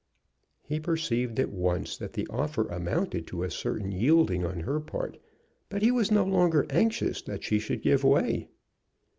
He perceived at once that the offer amounted to a certain yielding on her part, but he was no longer anxious that she should give way.